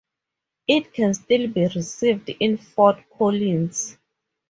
It can still be received in Fort Collins.